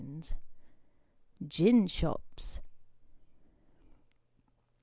GIN SHOPS.